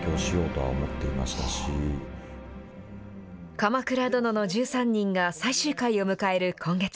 鎌倉殿の１３人が最終回を迎える今月。